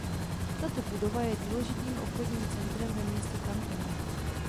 Tato budova je důležitým obchodním centrem ve městě Kanton.